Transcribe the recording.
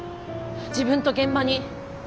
自分と現場に。